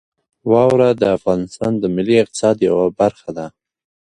واوره د افغانستان د ملي اقتصاد یوه برخه ده.